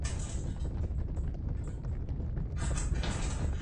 ლითოლოგიური კვლევა ფართოდ მიმდინარეობს ევროპასა და ამერიკის შეერთებულ შტატებში.